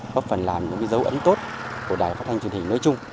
góp phần làm những dấu ẩn tốt của đài phát thanh truyền hình nơi chung